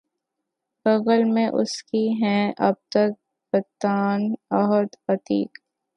بغل میں اس کی ہیں اب تک بتان عہد عتیق